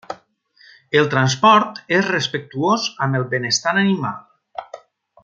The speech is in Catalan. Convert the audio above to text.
El transport és respectuós amb el benestar animal.